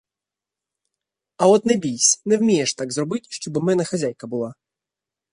А от не бійсь, не вмієш так зробить, щоб у мене хазяйка була.